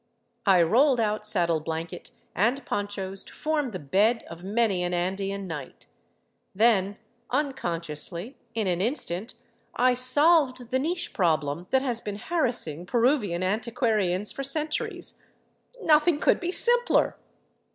I rolled out saddle blanket and ponchos to form the " bed " of many an Andean night; then unconsciously, in an instant, I solved the niche problem that has been harassing Peruvian antiquarians for centuries. Nothing could be simpler!